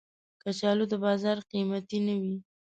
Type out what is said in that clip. کچالو د بازار قېمتي نه وي